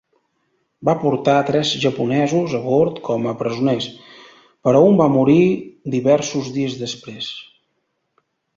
Va portar tres japonesos a bord com a presoners, però un va morir diversos dies després.